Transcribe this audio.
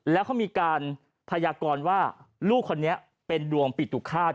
แล้วเขามีการพยากรว่าลูกคนนี้เป็นดวงปิตุฆาต